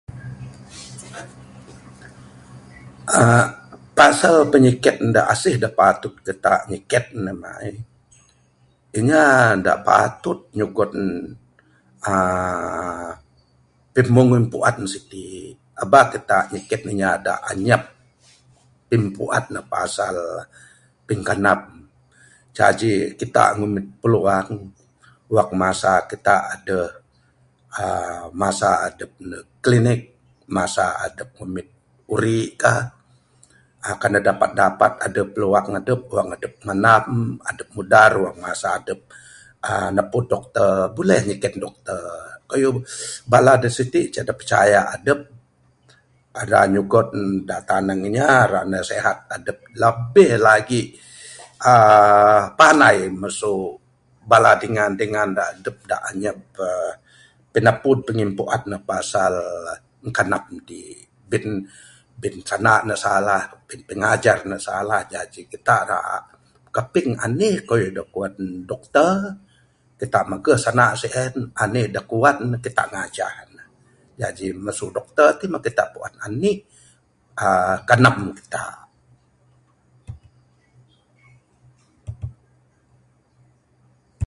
uhh Pasal pinyiken da' asih da patut kita' nyiken. Inya da patut nyugon uhh pimpu'an siti'. Aba kita' nyiken inya da anyap pimpu'an ne pasal pingkandam, jaji kita' ngumit peluang wang masa kita' aduh uhh masa adup ndug klinik, masa adup ngumit urik kah, kan ne dapat dapat aduh peluang. Adup mandam, adup mudar wang masa adup uhh napud dokter, buleh nyiken dokter. Kayuh bala da siti' ceh da picaya adup, ra nyugon da tanang inya ra nasihat adup. Labih lagi' uhh pandai masu bala dingan dingan adup da pinapud pimpu'an da pasal nkandam ti'. Bin, bin sanda ne salah, pingajar ne salah. Jaji kita' ra nkaping anih kayuh da kuan dokter, kita' maguh sanda sien, anih da kuan ne kita' ngajah ne. Jaji masu dokter ti kita' mah mpu'an, anih kandam kita'.